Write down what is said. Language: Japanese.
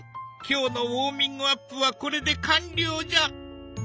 今日のウォーミングアップはこれで完了じゃ！